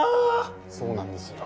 そうなんですよ